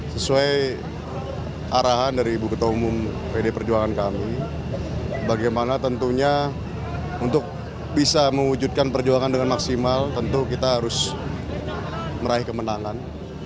sesuai arahan dari ibu ketua umum pd perjuangan kami bagaimana tentunya untuk bisa mewujudkan perjuangan dengan maksimal tentu kita harus meraih kemenangan